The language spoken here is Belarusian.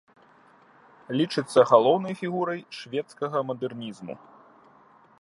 Лічыцца галоўнай фігурай шведскага мадэрнізму.